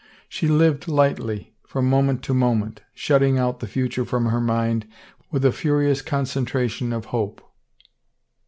She lived lightly, from moment to moment, shutting out the future from her mind with a furious concentration of hope.